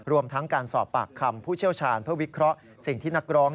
รวมทั้งการสอบปากคำผู้เชี่ยวชาญเพื่อวิเคราะห์สิ่งที่นักร้อง